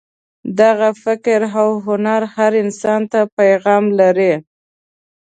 دغه فکر او هنر هر انسان ته پیغام لري.